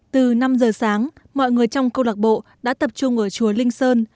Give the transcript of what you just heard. từ năm giờ sáng mọi người trong cô đặc bộ đã tập trung ở chùa linh sơn